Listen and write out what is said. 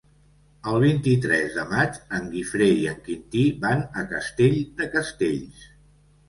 El vint-i-tres de maig en Guifré i en Quintí van a Castell de Castells.